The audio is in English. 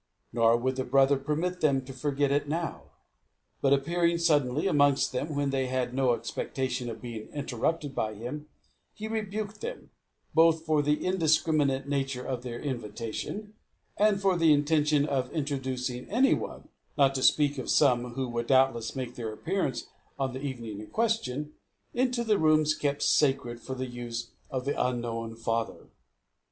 Nor would the brother permit them to forget it now; but, appearing suddenly amongst them, when they had no expectation of being interrupted by him, he rebuked them, both for the indiscriminate nature of their invitation, and for the intention of introducing any one, not to speak of some who would doubtless make their appearance on the evening in question, into the rooms kept sacred for the use of the unknown father.